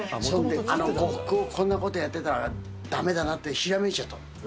呉服をこんなことばっかやってたらだめだなとひらめいちゃった。